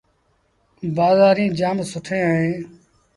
بآزآريٚݩ جآم سُٺيٚن اهيݩ۔